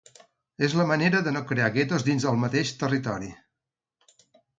És la manera de no crear guetos dins el mateix territori.